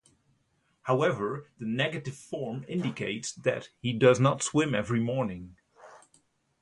However, the negative form indicates that he does not swim every morning.